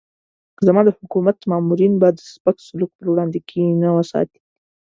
زما د حکومت مامورین به د سپک سلوک پر وړاندې کینه ونه ساتي.